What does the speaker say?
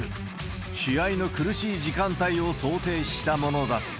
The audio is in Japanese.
試合の苦しい時間帯を想定したものだった。